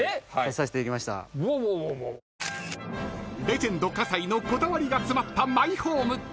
［レジェンド葛西のこだわりが詰まったマイホーム］